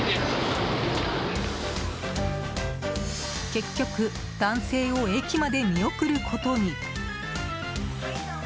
結局男性を駅まで見送ることに。